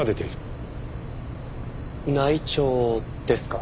内調ですか。